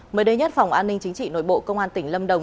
mới đây nhất phòng an ninh chính trị nội bộ công an tỉnh lâm đồng